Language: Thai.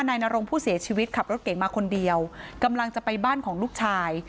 นายนรงผู้เสียชีวิตขับรถเก่งมาคนเดียวกำลังจะไปบ้านของลูกชาย